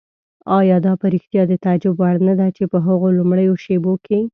آیا دا په رښتیا د تعجب وړ نه ده چې په هغو لومړیو شېبو.